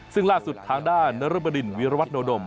ซึ่งล่าสุดทางด้านนรบดินวิรวัตโนดม